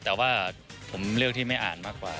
แต่ว่าผมเลือกที่ไม่อ่านมากกว่า